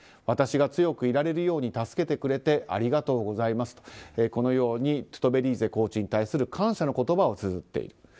私が強くいられるように助けてくれてありがとうございますとこのようにトゥトベリーゼコーチに対する感謝の言葉をつづっている。